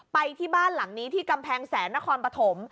ไปที่บ้านหลังนี้ที่กำแพงแสนนครปฐม